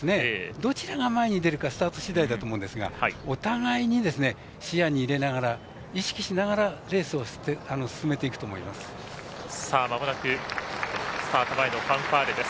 どちらが前に出るかスタート次第だと思いますがお互いに視野に入れながら意識しながらレースをまもなくスタート前のファンファーレです。